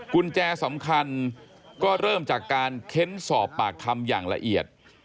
กุญแจสำคัญก็เริ่มจากการเค้นสอบปากคำอย่างละเอียด